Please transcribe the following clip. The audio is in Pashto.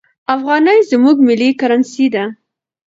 افغانۍ زموږ ملي کرنسي ده.